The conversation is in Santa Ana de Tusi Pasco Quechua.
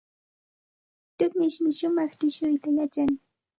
Tumishmi shumaq tushuyta yachan.